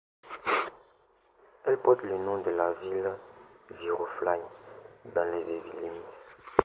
Elle porte le nom de la ville de Viroflay dans les Yvelines.